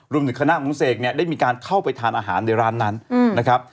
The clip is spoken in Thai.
รวมถึงคณะของเสกเนี่ยได้มีการเข้าไปทานอาหารในร้านนั้นนะครับ